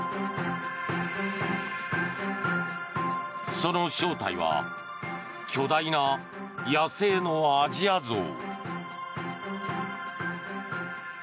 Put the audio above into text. その正体は巨大な野生のアジアゾウ。